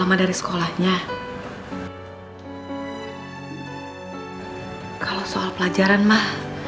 pengen ga desapareh